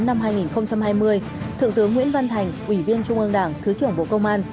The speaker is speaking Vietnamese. thượng tướng nguyễn văn thành ủy viên trung ương đảng thứ trưởng bộ công an